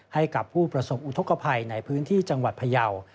ให้กับผู้ประสบอุทธกภัยในพื้นที่จังหวัดพยาว